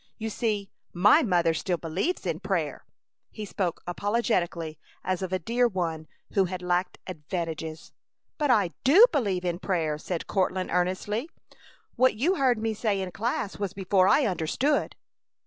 You see my mother still believes in prayer!" He spoke apologetically, as of a dear one who had lacked advantages. "But I do believe in prayer!" said Courtland, earnestly. "What you heard me say in class was before I understood."